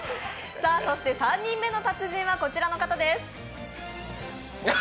そして３人目の達人はこちらの方です。